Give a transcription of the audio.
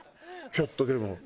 ちょっとでも。